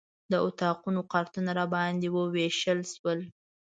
د اتاقونو کارتونه راباندې ووېشل شول.